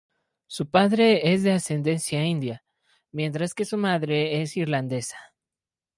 Su padre es de ascendencia india; mientras que su madre es irlandesa.